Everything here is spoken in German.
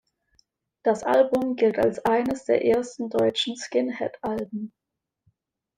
Das Album gilt als eines der ersten deutschen Skinhead-Alben.